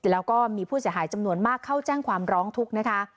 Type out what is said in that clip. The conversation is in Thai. แล้วก็มีผู้เสียหายจำนวนมากเข้าแจ้งความร้องทุกข์นะคะ